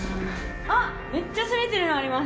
あっめっちゃ攻めてるのあります。